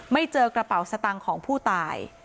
ไม่เจอกระเป๋าสตังของผู้ตาย